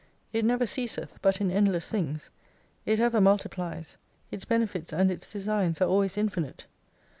It never ceaseth but in endless things. It ever multiplies. Its benefits and its designs are always infinite.